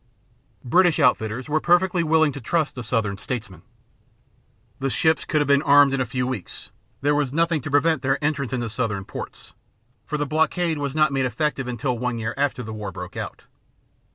British outfitters were perfectly willing to trust the Southern statesmen. The ships could have been armed in a few weeks; there was nothing to prevent their entrance into Southern ports, for the blockade was not made effective until one year after the war broke out.